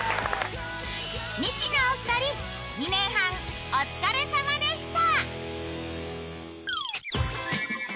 ミキのお二人、２年半お疲れさまでした。